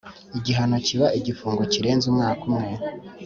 igihano kiba igifungo kirenze umwaka umwe